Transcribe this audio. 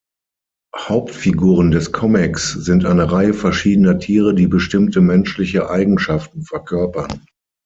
Hauptfiguren des Comics sind eine Reihe verschiedener Tiere, die bestimmte menschliche Eigenschaften verkörpern.